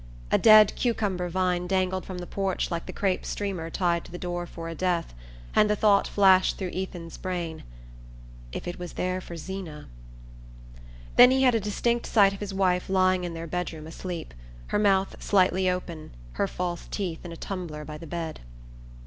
A dead cucumber vine dangled from the porch like the crape streamer tied to the door for a death, and the thought flashed through Ethan's brain: "If it was there for Zeena " Then he had a distinct sight of his wife lying in their bedroom asleep, her mouth slightly open, her false teeth in a tumbler by the bed...